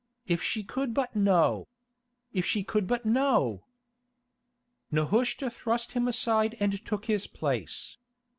If she could but know! If she could but know!" Nehushta thrust him aside and took his place.